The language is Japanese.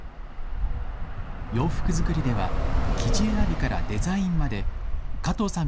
洋服作りでは生地選びからデザインまで加藤さん